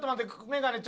眼鏡。